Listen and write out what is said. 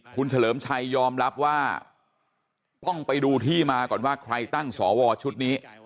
คุณเฉลิมชัยยอมรับว่าต้องไปดูที่มาก่อนว่าใครตั้งสวชุดนี้